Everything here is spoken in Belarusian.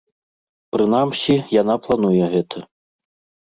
Прынамсі, яна плануе гэта.